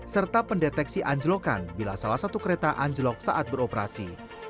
serta pendeteksi anjlokan bila salah satu kereta anjlok saat beroperasi